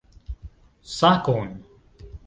Sakon!